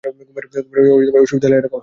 ঘুমের অসুবিধা হলে এ-রকম হয়।